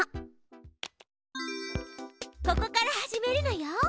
ここから始めるのよ。